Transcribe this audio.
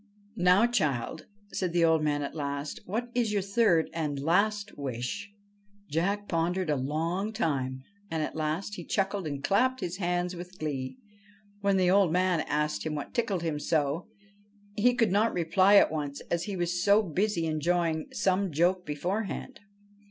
' Now, child,' said the old man at last, ' what is your third and last wish ?' Jack pondered a long time, and at last he chuckled and clapped his hands with glee. When the old man asked him what tickled him so, he could not reply at once, as he was so busy enjoying some joke beforehand.